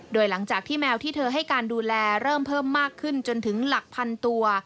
โดยหลังจากที่แมวที่เธอให้การดูแลเริ่มเพิ่มมากขึ้นจนถึงหลักพันตัว